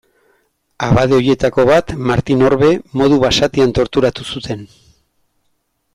Abade horietako bat, Martin Orbe, modu basatian torturatu zuten.